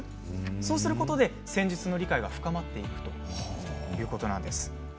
そうすることで、戦術の理解が深まっていくということなんです。